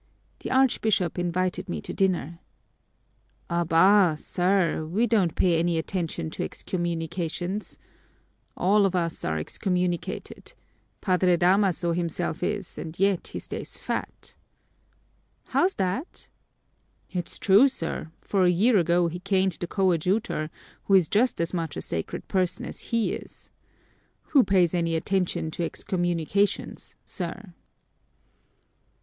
The Archbishop invited me to dinner." "Abá, sir, we don't pay any attention to excommunications! All of us are excommunicated. Padre Damaso himself is and yet he stays fat." "How's that?" "It's true, sir, for a year ago he caned the coadjutor, who is just as much a sacred person as he is. Who pays any attention to excommunications, sir?"